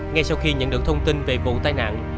ngay sau khi nhận được thông tin về vụ tai nạn